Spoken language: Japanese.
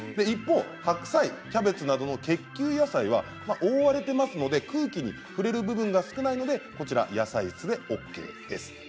一方、白菜やキャベツなどの結球野菜は覆われてますので空気に触れる部分が少ないので野菜室でＯＫです。